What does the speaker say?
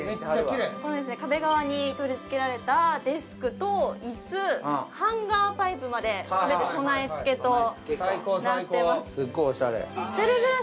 壁側に取り付けられたデスクと椅子、ハンガーパイプまで全て備え付けとなっています。